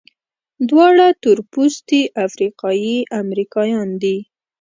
دواړه تورپوستي افریقایي امریکایان دي.